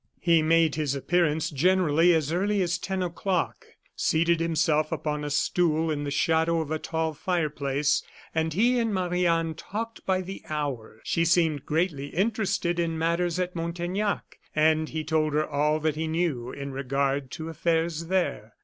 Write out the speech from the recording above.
He made his appearance generally as early as ten o'clock, seated himself upon a stool in the shadow of a tall fireplace, and he and Marie Anne talked by the hour. She seemed greatly interested in matters at Montaignac, and he told her all that he knew in regard to affairs there.